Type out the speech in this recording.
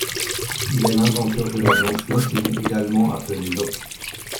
Il est l'inventeur de la danse locking, également appelée lock.